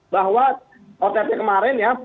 bahwa otetnya kemarin ya